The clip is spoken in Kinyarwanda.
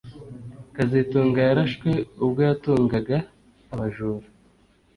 kazitunga yarashwe ubwo yatungaga abajura